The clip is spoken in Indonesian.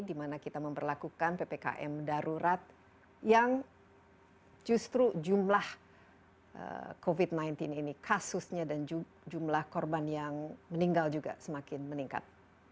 dimana kita memperlakukan ppkm darurat yang justru jumlah covid sembilan belas ini kasusnya dan jumlah korban yang meninggal juga semakin meningkat